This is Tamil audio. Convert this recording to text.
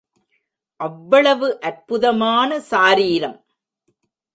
அவ்வளவு அற்புதமான சாரீரம்.